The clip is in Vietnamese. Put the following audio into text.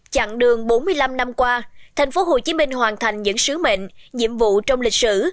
chặn đường bốn mươi năm năm qua thành phố hồ chí minh hoàn thành những sứ mệnh nhiệm vụ trong lịch sử